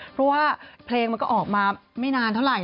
เพราะว่าเพลงมันก็ออกมาไม่นานเท่าไหร่